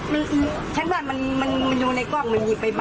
แล้วพ่อจะน้องไปไหนตั้งไหมมันมันมันมันมันอยู่ในกล้องมันหยิบไปไป